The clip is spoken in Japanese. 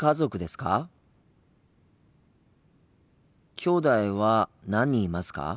きょうだいは何人いますか？